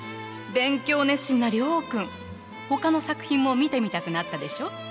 勉強熱心な諒君ほかの作品も見てみたくなったでしょ？